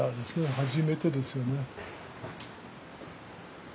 初めてですよね。